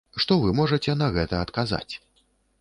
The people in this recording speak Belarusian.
Што вы можаце на гэта адказаць?